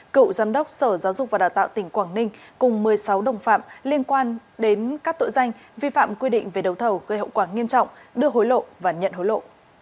cựu giám đốc sở giáo dục và đào tạo tỉnh quảng ninh cùng một mươi sáu đồng phạm liên quan đến các tội danh vi phạm quy định về đầu thầu gây hậu quả nghiêm trọng đưa hối lộ và nhận hối lộ